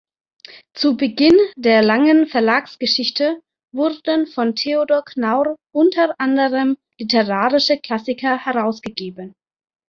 Zu Beginn der langen Verlagsgeschichte wurden von Theodor Knaur unter anderem literarische Klassiker herausgegeben.